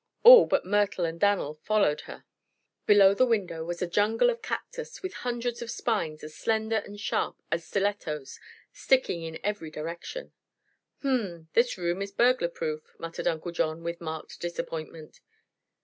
All but Myrtle and Dan'l followed her. Below the window was a jungle of cactus, with hundreds of spines as slender and sharp as stilettos sticking in every direction. "H m; this room is burglar proof," muttered Uncle John, with marked disappointment.